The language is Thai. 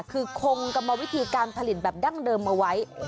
คือกัมงเวทีการผลิตแบบดั้งเดิมมาไว้